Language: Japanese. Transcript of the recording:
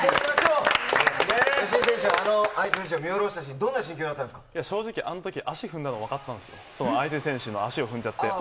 吉井選手、あの相手選手を見下ろしたとき、どんな心境だったんで正直、あのとき、足踏んだの分かったんですよ、相手選手の足を踏んじゃって。